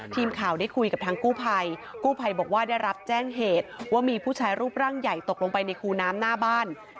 ทีมข่าวได้คุยกับทางกู้ภัยกู้ภัยบอกว่าได้รับแจ้งเหตุว่ามีผู้ชายรูปร่างใหญ่ตกลงไปในคูน้ำหน้าบ้าน